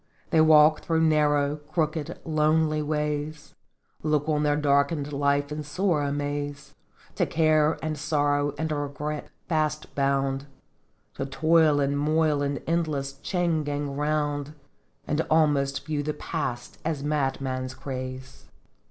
They walk through narrow, crooked, lonely ways, Look on their darkened life in sore amaze, To Care and Sorrow and Regret fast bound, To toil and moil in endless chain gang round, And almost view the Past as madman's craze.